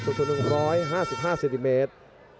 สุดท้วน๑๕๕เซนติเมตร